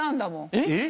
えっ？